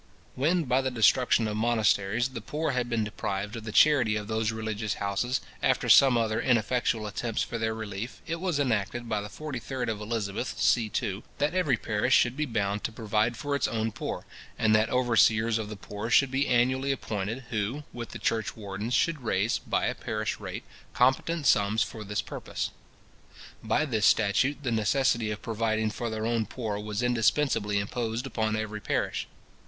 When, by the destruction of monasteries, the poor had been deprived of the charity of those religious houses, after some other ineffectual attempts for their relief, it was enacted, by the 43d of Elizabeth, c. 2. that every parish should be bound to provide for its own poor, and that overseers of the poor should be annually appointed, who, with the church wardens, should raise, by a parish rate, competent sums for this purpose. By this statute, the necessity of providing for their own poor was indispensably imposed upon every parish.